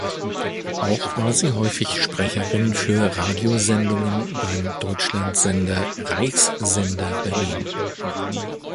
Auch war sie häufig Sprecherin für Radiosendungen beim Deutschlandsender, Reichssender Berlin.